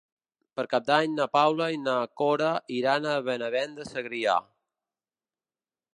Per Cap d'Any na Paula i na Cora iran a Benavent de Segrià.